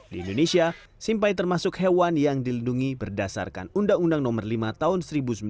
di indonesia simpai termasuk hewan yang dilindungi berdasarkan undang undang nomor lima tahun seribu sembilan ratus sembilan puluh